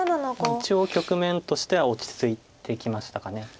一応局面としては落ち着いてきましたか。